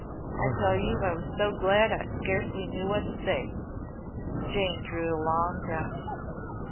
I tell you I was so glad I scarcely knew what to say." Jane drew a long breath.